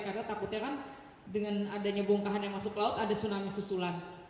karena takutnya kan dengan adanya bongkahan yang masuk ke laut ada tsunami susulan